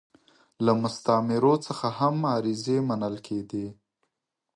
له مستعمرو څخه هم عریضې منل کېدې.